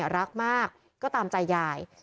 ส่วนของชีวาหาย